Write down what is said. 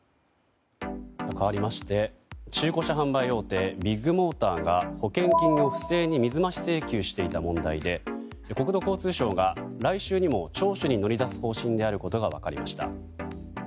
かわりまして中古車販売大手ビッグモーターが保険金を不正に水増し請求していた問題で国土交通省が来週にも聴取に乗り出す方針であることが分かりました。